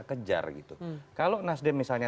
kejar gitu kalau nasdem misalnya